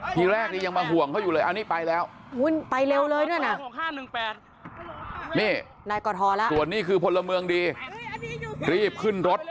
ไปเร็วเลยด้วยนะนี่ส่วนนี้คือพลเมืองดีรีบขึ้นรถ